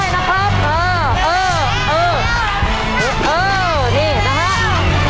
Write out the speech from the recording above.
ได้มานะครับ